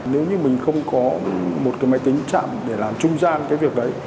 nếu như mình không có một cái máy tính chạm để làm trung gian cái việc đấy